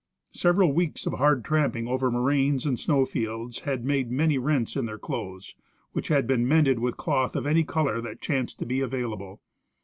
Several weeks of hard tramping over moraines and snow fields had made many rents in their clothes, which had been mended with cloth of any color that chanced to be available.